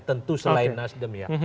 tentu selain nasdem ya